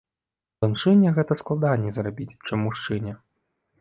Жанчыне гэта складаней зрабіць, чым мужчыне.